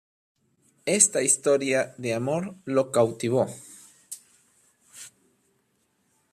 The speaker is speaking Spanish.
Esa historia de amor lo cautivó.